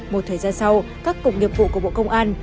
một thời gian sau các cục nghiệp vụ của bộ công an